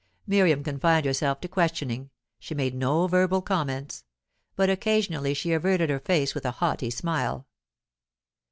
Miriam confined herself to questioning; she made no verbal comments. But occasionally she averted her face with a haughty smile.